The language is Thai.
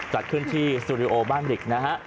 จัดขึ้นที่สตูดิโอบ้านบริกนะฮะ